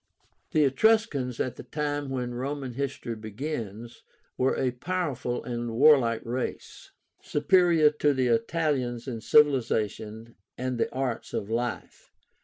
The ETRUSCANS at the time when Roman history begins were a powerful and warlike race, superior to the Italians in civilization and the arts of life.